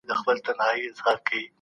سپوږمۍ به پر اسمان ولاړه وه.